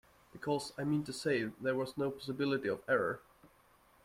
Because, I mean to say, there was no possibility of error.